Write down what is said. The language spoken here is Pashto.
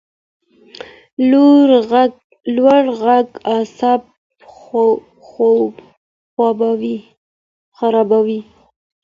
لوړ غږ اعصاب خرابوي